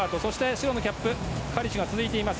白のキャップのカリシュが続いています。